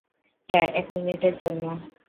হ্যাঁ, এক মিনিটের জন্য।